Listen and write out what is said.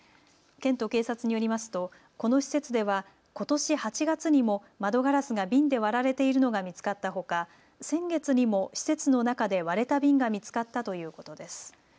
県と警察によりますとこの施設ではことし８月にも窓ガラスが瓶で割られているのが見つかったほか、先月にも施設の中で割れた瓶が見つかったということです。